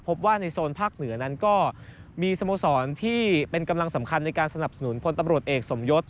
พบว่าในโซนภาคเหนือนั้นก็มีสโมสรที่เป็นกำลังสำคัญในการสนับสนุนพลตำรวจเอกสมยศ